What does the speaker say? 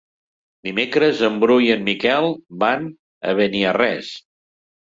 Dimecres en Bru i en Miquel van a Beniarrés.